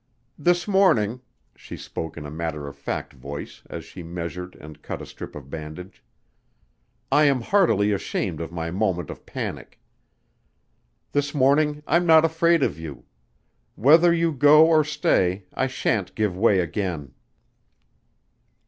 "This morning," she spoke in a matter of fact voice as she measured and cut a strip of bandage, "I am heartily ashamed of my moment of panic. This morning I'm not afraid of you. Whether you go or stay, I sha'n't give way again."